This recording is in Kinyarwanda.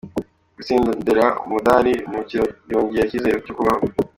Gutsindira umudari mu mikino byongera icyizere cyo kubaho